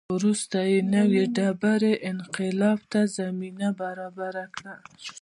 وروسته یې نوې ډبرې انقلاب ته زمینه برابره کړه.